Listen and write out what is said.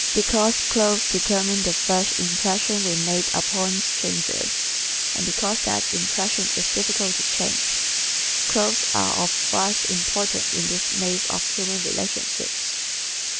Because clothes determine the first impressions we make upon strangers and because that impression is difficult to change, clothes are of vast importance in this maze of human relationships.